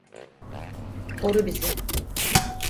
Koru bizi.